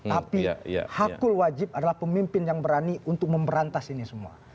tapi hakul wajib adalah pemimpin yang berani untuk memberantas ini semua